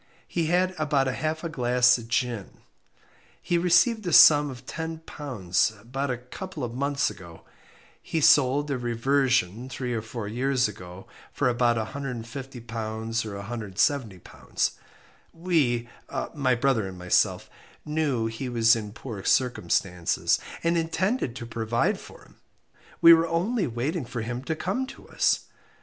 He had about half a glass of gin. He received a sum of £10 about a couple of months ago. He sold a reversion three or four years ago for about £150 or £170. We my brother and myself knew he was in poor circumstances, and intended to provide for him. We were only waiting for him to come to us.